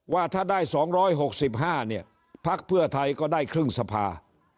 ว่าถ้าได้๒๖๕เนี่ยพักเพื่อไทยก็ได้ครึ่งสภา